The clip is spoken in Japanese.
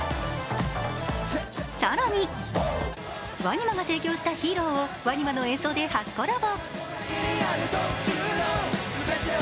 更にＷＡＮＩＭＡが提供した「ＨＥＲＯ」をＷＡＮＩＭＡの演奏で初コラボ。